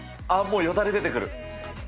ああ、もうよだれ出てくる。